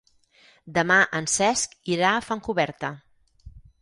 Demà en Cesc irà a Fontcoberta.